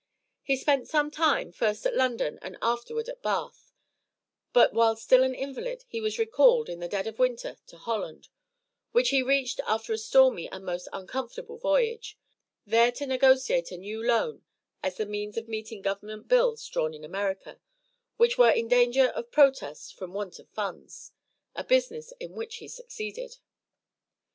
He spent some time, first at London, and afterward at Bath; but while still an invalid he was recalled, in the dead of winter, to Holland, which he reached after a stormy and most uncomfortable voyage; there to negotiate a new loan as the means of meeting government bills drawn in America, which were in danger of protest from want of funds a BUSINESS IN WHICH HE SUCCEEDED.